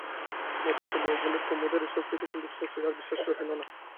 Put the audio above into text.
মতি চলিয়া গেলে কুমুদের এই শক্তিতে কিন্তু শশীর আর বিশ্বাস রহিল না।